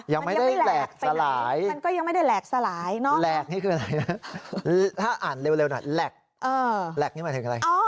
ยังไม่ได้แหลกสลายแหลกนี่คืออะไรนะถ้าอ่านเร็วหน่อยแหลกแหลกนี่หมายถึงอะไร